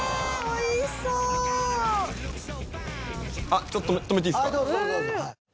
あっちょっと止めていいですか？